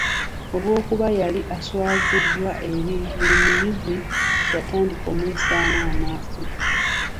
Olw’okuba yali aswaziddwa eri buli muyizi yatandika okumuyisaamu amaaso.